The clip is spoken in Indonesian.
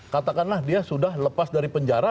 katakanlah dia sudah lepas dari penjara